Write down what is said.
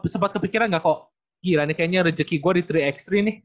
sempat kepikiran gak kok gila ini kayaknya rejeki gue di tiga x tiga